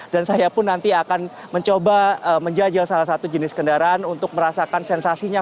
dan saya pun nanti akan mencoba menjajal salah satu jenis kendaraan untuk merasakan sensasinya